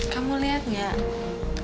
kamu lihat gak